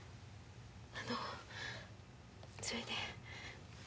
あのそれで。